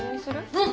うん。